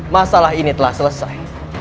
masalah ini telah selesai